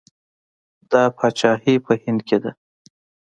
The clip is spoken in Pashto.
دا پاچاهي په هند کې ده.